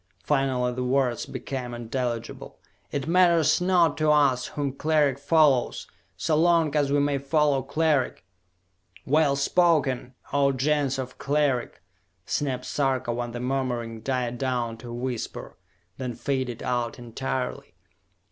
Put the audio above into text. Finally the words became intelligible. "It matters not to us whom Cleric follows, so long as we may follow Cleric!" "Well spoken, O Gens of Cleric!" snapped Sarka when the murmuring died down to a whisper, then faded out entirely.